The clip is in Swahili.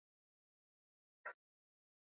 Andaa meza .